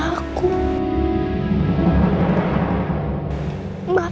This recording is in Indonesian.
di rumah papa